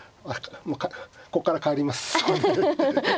こっから帰ります。